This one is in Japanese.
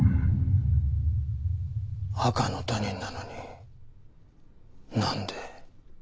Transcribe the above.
赤の他人なのになんで？